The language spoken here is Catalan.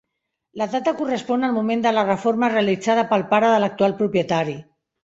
La data correspon al moment de la reforma realitzada pel pare de l’actual propietari.